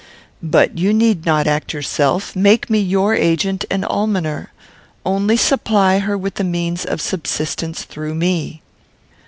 "But you need not act yourself. Make me your agent and almoner. Only supply her with the means of subsistence through me."